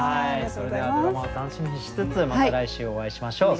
それではドラマを楽しみにしつつまた来週お会いしましょう。